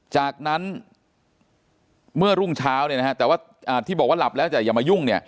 จากนั้นเมื่อรุ่งเช้าแต่ว่าที่บอกว่าหลับแล้วแต่อย่ามายุ่ง